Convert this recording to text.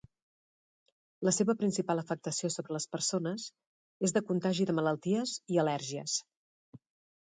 La seva principal afectació sobre les persones és de contagi de malalties i al·lèrgies.